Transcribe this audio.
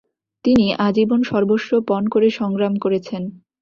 তিনি আজীবন সর্বস্ব পণ করে সংগ্রাম করেছেন।